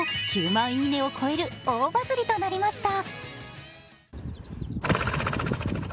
９万いいねを超える大バズりとなりました。